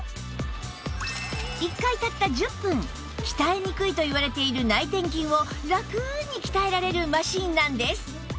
１回たった１０分鍛えにくいといわれている内転筋をラクに鍛えられるマシンなんです